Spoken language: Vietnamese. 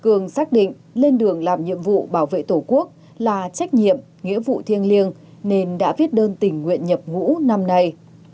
cường xác định lên đường làm nhiệm vụ bảo vệ tổ quốc là trách nhiệm nghĩa vụ thiêng liêng nên đã viết đơn tình nguyện nhập ngũ năm nay